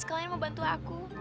kalian mau bantu aku